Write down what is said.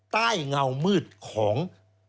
ใต้เงามืดของ